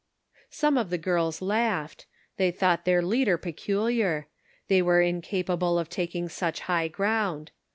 Some of the girls laughed; they thought their leader peculiar; they were incapable of taking such high ground.